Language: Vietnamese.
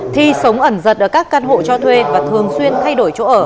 thi sống ẩn giật ở các căn hộ cho thuê và thường xuyên thay đổi